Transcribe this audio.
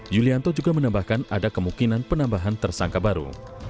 yulianto juga menambahkan ada kemungkinan penambahan tersangka baru